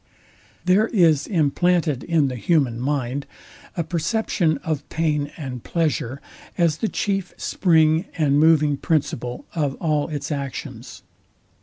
There is implanted in the human mind a perception of pain and pleasure, as the chief spring and moving principle of all its actions.